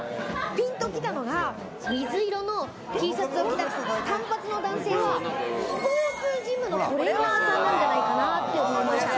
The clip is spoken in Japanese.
ピンと来たのが、水色のＴシャツを着た短髪の男性はスポーツジムのトレーナーさんなんじゃないかなって思いました。